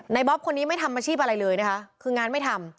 บ๊อบคนนี้ไม่ทำอาชีพอะไรเลยนะคะคืองานไม่ทำ